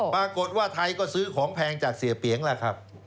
ปรากฏว่าไทยก็ซื้อของแพงจากเสียเปียงล่ะครับ